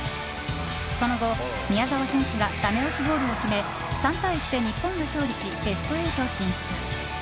その後、宮澤選手がダメ押しゴールを決め３対１で日本が勝利しベスト８進出。